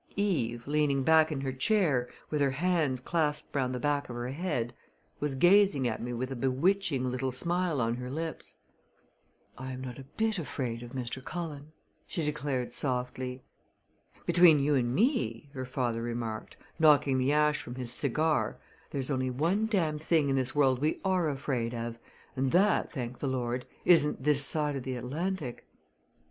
Eve, leaning back in her chair, with her hands clasped round the back of her head, was gazing at me with a bewitching little smile on her lips. "I am not a bit afraid of Mr. Cullen," she declared softly. "Between you and me," her father remarked, knocking the ash from his cigar, "there's only one darned thing in this world we are afraid of and that, thank the Lord, isn't this side of the Atlantic!"